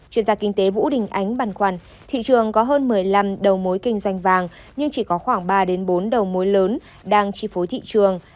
chuyên gia kinh tế vũ đình ánh bàn quản thị trường có hơn một mươi năm đầu mối kinh doanh vàng nhưng chỉ có khoảng ba bốn đầu mối lớn đang chi phối thị trường